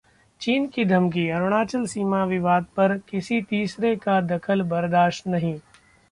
चीन की धमकी, अरुणाचल सीमा विवाद पर किसी तीसरे का दखल बर्दाश्त नहीं